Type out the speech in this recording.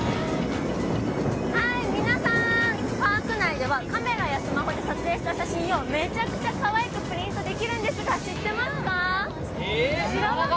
はい、皆さん、パーク内ではカメラやスマホで撮影した写真をめちゃくちゃかわいくプリントできるんですが知ってますか？